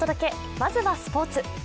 まずはスポ−ツ。